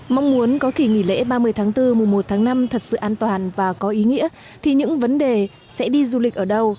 mong muốn có kỷ nghỉ lễ ba mươi tháng bốn mùa một tháng năm thật sự an toàn và có ý nghĩa thì những vấn đề sẽ đi du lịch ở đâu